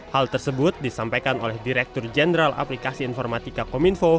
hal tersebut disampaikan oleh direktur jenderal aplikasi informatika kominfo